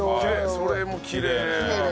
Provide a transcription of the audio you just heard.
それもきれい。